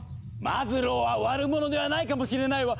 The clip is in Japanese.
マズローは悪者ではないかもしれないわ。